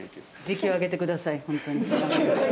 時給上げてくださいホントに。